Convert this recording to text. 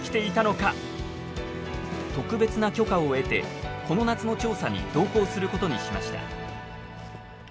特別な許可を得てこの夏の調査に同行することにしました。